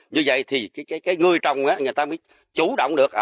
như vậy thì cái người trồng người ta mới chủ động được